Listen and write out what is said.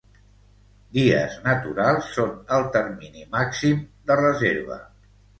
Dies naturals són el termini màxim de reserva.